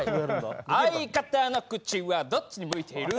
「相方の口はどっちに向いている」